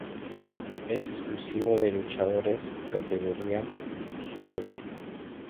Es exclusivo de luchadores categoría "Heavyweight".